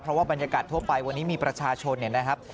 เพราะว่าบรรยากาศทั่วไปวันนี้มีประชาชนเนี่ยนะครับ